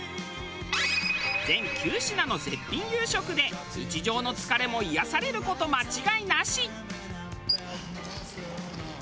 全９品の絶品夕食で日常の疲れも癒やされる事間違いなし！